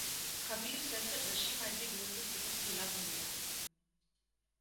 Kabir says that Rishi might be doing this because he loves Niya.